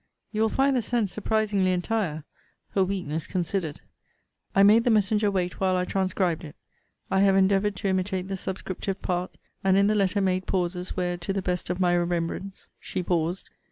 You will find the sense surprisingly entire, her weakness considered. I made the messenger wait while I transcribed it. I have endeavoured to imitate the subscriptive part; and in the letter made pauses where, to the best of my remembrance, she paused.